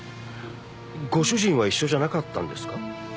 ご主人は一緒じゃなかったんですか？